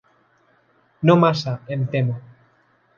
No massa, em temo.